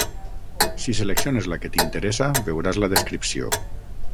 Si selecciones la que t'interessa veuràs la descripció.